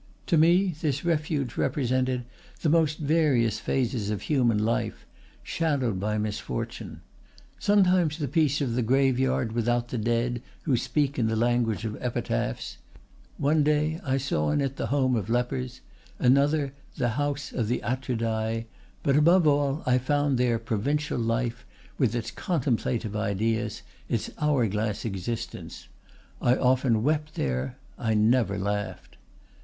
To me this refuge represented the most various phases of human life, shadowed by misfortune; sometimes the peace of the graveyard without the dead, who speak in the language of epitaphs; one day I saw in it the home of lepers; another, the house of the Atridae; but, above all, I found there provincial life, with its contemplative ideas, its hour glass existence. I often wept there, I never laughed.